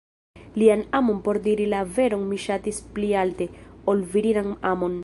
Lian amon por diri la veron mi ŝatis pli alte, ol virinan amon.